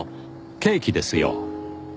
ケーキですよ。